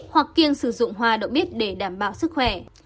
hoặc kiêng sử dụng hoa đậu mít để đảm bảo sức khỏe